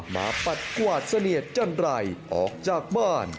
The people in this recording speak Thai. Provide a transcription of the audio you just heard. ปัดกวาดเสนียดจันไรออกจากบ้าน